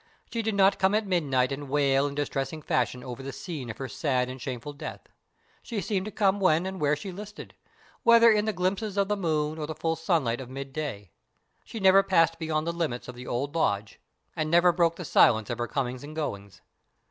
She did not come at midnight and wail in distressing fashion over the scene of her sad and shameful death. She seemed to come when and where she listed, whether in the glimpses of the moon or the full sunlight of mid day. She never passed beyond the limits of the old lodge, and never broke the silence of her coming and goings.